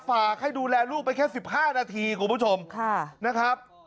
ฝากให้ดูแลลูกไปแค่๑๕นาทีคุณผู้ชมนะครับ